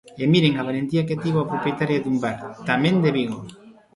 E miren a valentía que tivo a propietaria dun bar, tamén de Vigo.